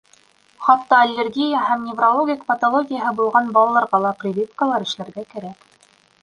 Хатта аллергияһы һәм неврологик патологияһы булған балаларға ла прививкалар эшләргә кәрәк.